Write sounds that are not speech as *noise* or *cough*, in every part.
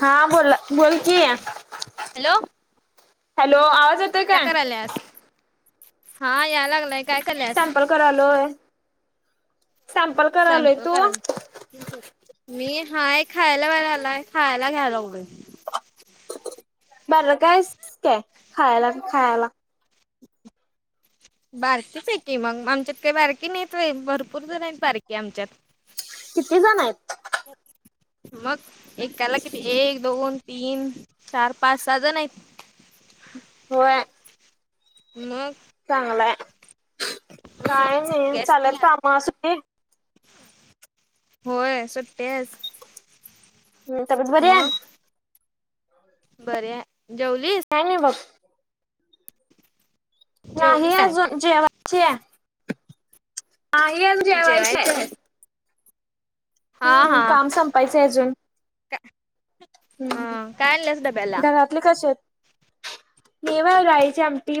हा बोला बोल कि हॅलो. हॅलो आवाज काय कराल्यास हा यालागलोय काय कराल्यास? सॅम्पल करालोय सॅम्पल करालोय स्वयंपाक तू. करायला *inaudible* मी हाय खायला बाहेर आलाय खायला घ्यायलागलोय. बारका आहेस काय खायला खायला. बारकीचं हाय की मग म आमच्यात काय बारकी मीच हाय भरपूर जण हैत बारकी आमच्यात. किती जण हैत? मग एकाला किती एक, दोन, तीन, चार, पाच, साहा जण हैत. होय. मग. चांगलाय हम्म काय नाही सगळ्यासनी चालल्यात घ्यायला काम सुट्टीत होय सुट्याच. तब्येत बरी आहे मग बरी हाय जेवलीस? काय नाई बग. नाही जेवलीस काय अजून जेवायची हाय. नाही आम्ही जवायची जेवायची हाय. आहेस हा हम्म हा काम संपायचाय अजून. का? हा काय आणल्यास डब्याला हम् घरातले कसे हैत मी व्हय डाळीची आम टी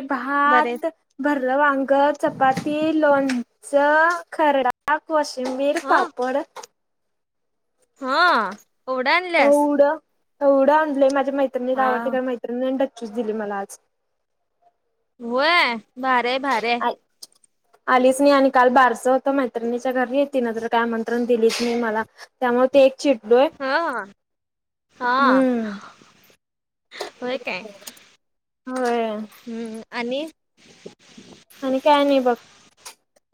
बरे भात, भरलं वांग, चपाती, लोणचं, खर्डा. कोशिंबीर, पापड. हां एव्हडं आणल्यास? एवढं एवढं आणलंय माझ्या मैत्रिणीला हा आवडते कारण मैत्रिणींण डक्कीच दिली मला आज. व्हय भारी हाय भारी हाय. आलीच नाही आणि काल बारसं होतं मैत्रिणीच्या घरी तिनं तर काय आमंत्रण दिलीच नाही मला. त्यामुळ ते एक चिडलोय हां हा. होय काय हो आणि आणि काय नाही बघ.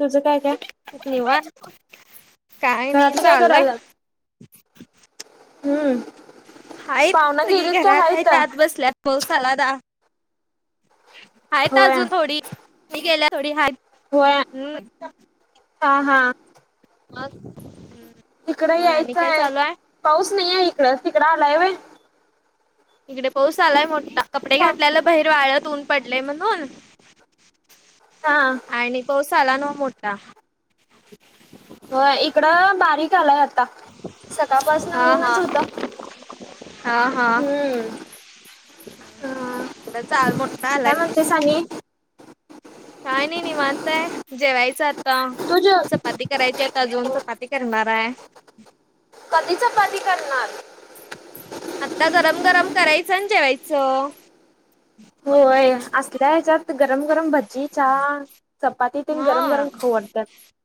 तुझं काय काय निवांत काय नाही घरातलं काय चालू आहे करायला, हम्म हाय पाहुणं सगळी गेलीत का घरात हायत? आहेत आत बसल्यात पाऊसाला द आहेताच होय अजून थोडी थोडी गेल्या थोडी हाय होय हा हा मग हम्म तिकडं यायचं आहे पाऊस नाही आहे इकड तिकडं आलाय व्हय इकडे पाऊस आलाय मोठा कपडे घातल्याला बाहीर वाळत ऊन पडलेय म्हणून हा आणि पावसाला न मोठा *inaudible* हो इकडं बारीक आलाय आता सकाळपासनं हा हा ऊनचं होतं हा *inaudible* हा हम्म. हा *unintelligible* चाल मोठा आलाय पाऊस. सांगली काय नाही निवांत हाय जेवायचं आता तू जे चपाती करायची आता अजून चपाती करणाराय कधी चपाती करणार आता गरम गरम करायचं अन् जेवायचं होय असल्या ह्याच्यात गरम गरम भ जी च्या चपातीतेन गरम हा गरम खाऊ वाटत्या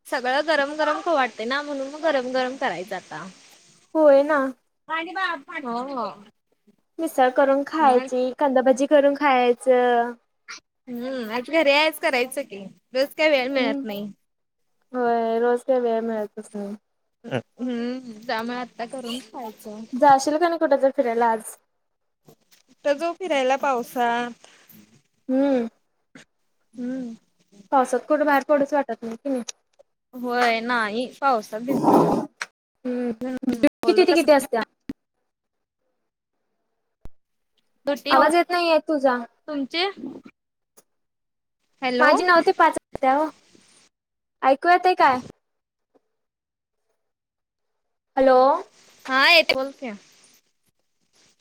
सगळं गरम गरम खाऊ वाटतेय ना म्हणून मग गरम गरम करायच आता होय ना *unintelligible* हो हो मिसळ करून खायची कांदाभजी करून खायच हम्म आज घरी आहेच करायचं की रोज काय वेळ हम्म मिळत नाही होय रोज काही वेळ मिळतच नाही हम्म जा म आत्ता करून खायचं. जाशील का नाही कुठं तर फिरायला आज कुट जाऊ फिरायला पावसा हम्म हम्म पावसात कुठं बाहेर पडूच वाटत नाही कि नाही होय नाही पावसात भिज हम्म ड्युटी बोल किती ते कस किती असत्या आवाज येत नाहीे तुझा तुमचे माझी नाऊ ते पाच उटत्या ओ ऐकू येतेय काय हॅलो हा येतय बोल की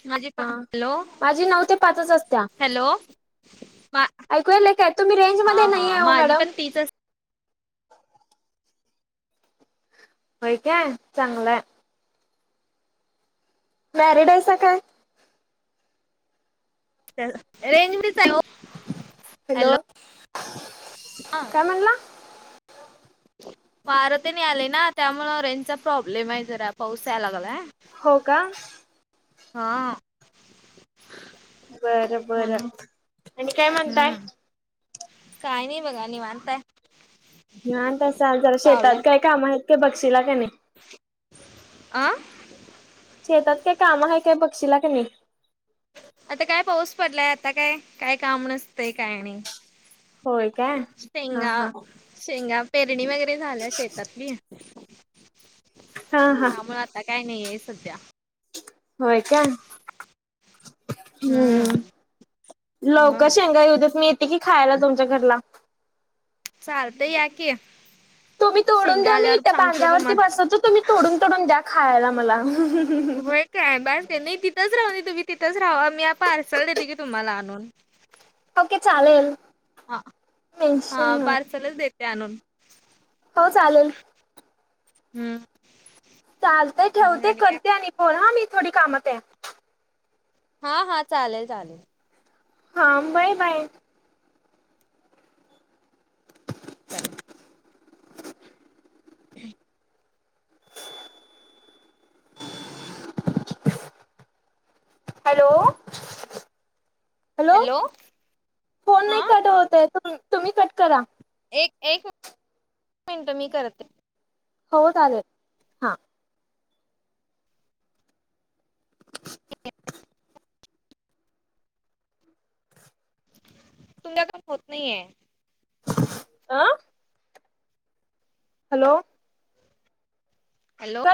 माझी पण हा हॅलो माझी नऊ ते पाचच असत्या हॅलो मा ऐकू याले काय तुम्ही रेंज मध्ये नाहीयाय ओ माझी मॅडम पण तीच असते होय काय चांगलाय मॅरिड हायसा काय रेंज मधीच आहे हो हॅलो हा काय म्हणला वार तेन यायलय ना त्यामुळं रेंजचा प्रॉब्लेम आहे जरा पाऊस याय लागलाय हो का हा बरं बर म्हणून आणि काय म्हणताय काही नाही बघा निवांताय घान तसा जरा शेतात काय काम हायत काय बक्षीला का नाई आं शेतात काय काम आहे काय बक्षीला का नाही आता काय पाऊस पडलाय आता काय काय काम नसतंय काय नाही होय काय हा शेंगा हा शेंगा पेरणी वगैरे झाल्या शेतात बि हा हा त्यामुळे आता काय नाही आहे सध्या होय काय हम्म लवकर मग शेंगा येऊतच मी की खायला तुमच्या घरला चालत या कि तुम्ही तोडून द्या मी त्या तुम्हाला बांध्यावरती बसवतो तुम्ही तोडून तोडून द्या खायला मला होय काय बाय नाही तिथच राह तुम्ही तिथच राव्हा मी पार्सल देते की तुम्हाला आणून ओके चालेल ह हा मेन्शन पार्सलच देते आणून हो चालेल हम्म चालते मग ठेवते काय? करते आणि पोल हा मी थोडी कामत आहे हा हा चालेल चालेल हा बय बाय चालेल. हम् हॅलो हॅलो फोन हा नाही कट होत तु तुम्ही कट करा एक एक मिनटं मी करते हो चालेल हा तुमच्या का होत नाहीे आं हॅलो हॅलो कट